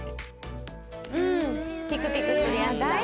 うんピクピクするやつだ